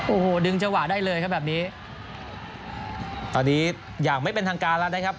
โอ้โหดึงจังหวะได้เลยครับแบบนี้ตอนนี้อย่างไม่เป็นทางการแล้วนะครับ